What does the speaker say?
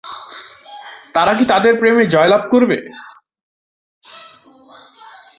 তারা কি তাদের প্রেমে জয়লাভ করবে?